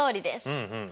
うんうん。